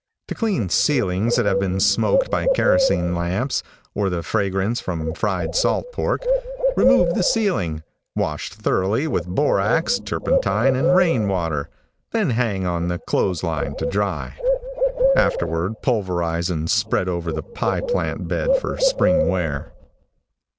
To clean ceilings that have been smoked by kerosene lamps, or the fragrance from fried salt pork, remove the ceiling, wash thoroughly with borax, turpentine and rain water, then hang on the clothes line to dry. Afterward pulverize and spread over the pie plant bed for spring wear.